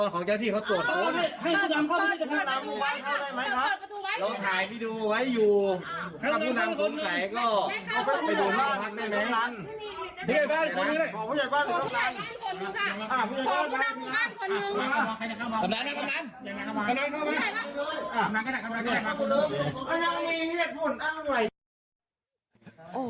ขอพูดชอบหน่อยคนลุก